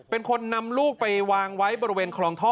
เป็นคนนำลูกไปวางไว้บริเวณคลองท่อ